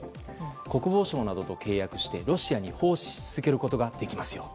国防省などと契約してロシアに奉仕し続けることができますよ。